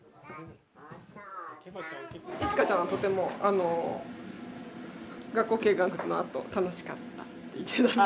いちかちゃんはとても学校見学のあと「楽しかった」って言ってたので。